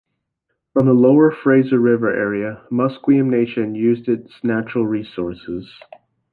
From the lower Fraser River area, Musqueam Nation used its natural resources.